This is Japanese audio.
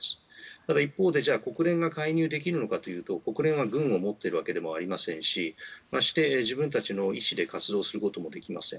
ただ一方で国連が介入できるのかというと国連は軍を持っているわけでもありませんしまして、自分たちの意思で活動することもできません。